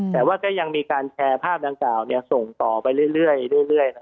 แต่ยังมีการแชร์ภาพจังขาวซ่องต่อไปเรื่อย